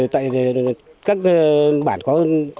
tại các bản có